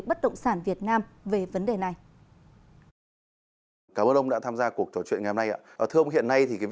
bất động sản việt nam về vấn đề này